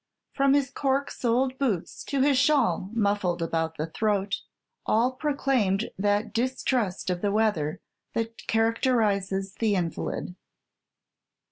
From his cork soled boots to his shawl muffled about the throat, all proclaimed that distrust of the weather that characterizes the invalid.